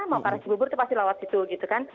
mau ke cibubur itu pasti lawat situ gitu kan